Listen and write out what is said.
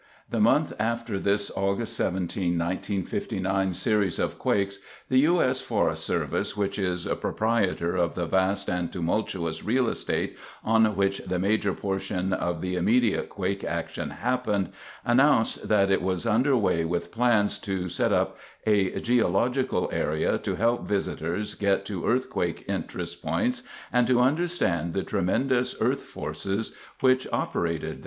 The month after this August 17, 1959 series of quakes, the U. S. Forest Service, which is proprietor of the vast and tumultuous real estate on which the major portion of the immediate quake action happened, announced that is was underway with plans to set up a Geological Area to help visitors get to earthquake interest points and to understand the tremendous earth forces which operated here.